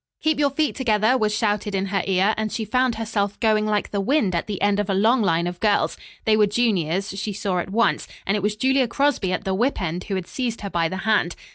"Keep your feet together!" was shouted in her ear, and she found herself going like the wind at the end of a long line of girls. They were juniors, she saw at once, and it was Julia Crosby at the whip end who had seized her by the hand.